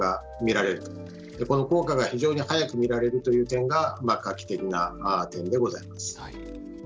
この効果が非常に早く見られるという点が画期的な点でございます。